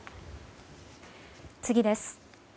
次です。